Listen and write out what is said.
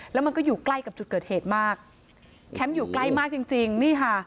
แล้วมันก็อยู่ใกล้กับจุดเกิดเหตุมากแคมป์อยู่ใกล้มากจริงจริงนี่ค่ะ